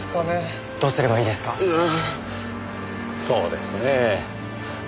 そうですねえ